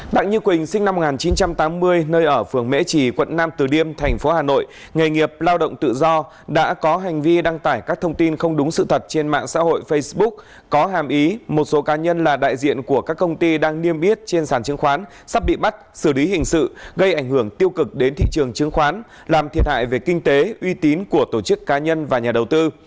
đặng như quỳnh sinh năm một nghìn chín trăm tám mươi nơi ở phường mễ trì quận nam từ điêm thành phố hà nội nghề nghiệp lao động tự do đã có hành vi đăng tải các thông tin không đúng sự thật trên mạng xã hội facebook có hàm ý một số cá nhân là đại diện của các công ty đang niêm yết trên sàn chứng khoán sắp bị bắt xử lý hình sự gây ảnh hưởng tiêu cực đến thị trường chứng khoán làm thiệt hại về kinh tế uy tín của tổ chức cá nhân và nhà đầu tư